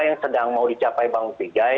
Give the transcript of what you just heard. yang sedang mau dicapai bang ufi jai